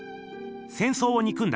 戦争をにくんだ